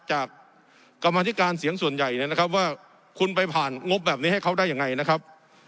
จากกรรมธิการเสียงส่วนใหญ่นะครับว่าคุณไปผ่านงบแบบนี้ให้เขาได้ยังไงนะครับ